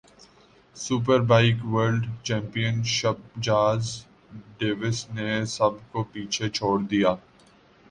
super bike world championship Chaz Davies نے سب کو پیچھے چھوڑ دیا